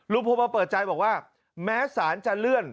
โพมาเปิดใจบอกว่าแม้สารจะเลื่อน